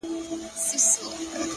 • د غوایانو به ور څیري کړي نسونه» ,